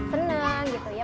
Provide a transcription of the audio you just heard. senang gitu ya